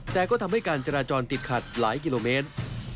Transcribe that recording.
แต่ก็ทำให้การจราจรติดขัดหลายกิโลเมตร